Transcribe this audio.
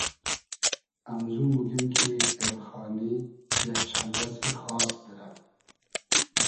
امزو موگیم کی ایلخانی یئگ چئمرئسی خاس دیرۂ